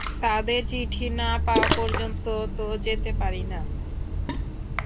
তাদের চিঠি না পাওয়া পর্যন্ত তো, যেতে পারি না?